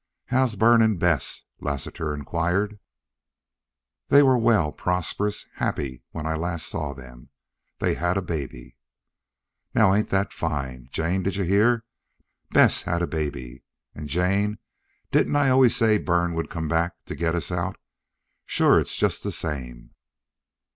"How's Bern an' Bess?" Lassiter inquired. "They were well, prosperous, happy when last I saw them.... They had a baby." "Now ain't thet fine?... Jane, did you hear? Bess has a baby. An', Jane, didn't I always say Bern would come back to get us out? Shore it's just the same."